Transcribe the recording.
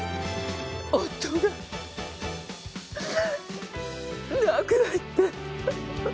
夫が亡くなって。